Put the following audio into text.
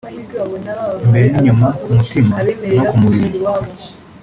imbere n’inyuma (ku mutima no ku mubiri)”